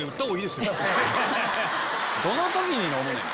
どの時に飲むねん。